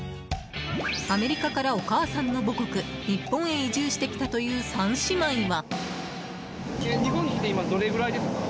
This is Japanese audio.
アメリカからお母さんの母国日本へ移住してきたという３姉妹は。